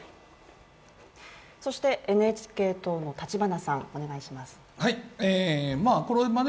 そしてＮＨＫ等の立花さん、お願いします。